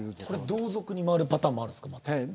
同族に回るパターンもあるんですか。